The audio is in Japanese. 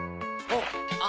おっ。